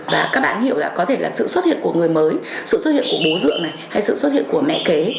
và các bạn hiểu là có thể là sự xuất hiện của người mới sự xuất hiện của bố dưỡng này hay sự xuất hiện của mẹ kế